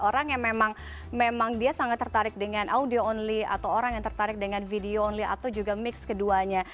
orang yang memang dia sangat tertarik dengan audio only atau orang yang tertarik dengan video only atau juga mix keduanya